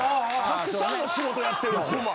たくさんの仕事やってるんですよ。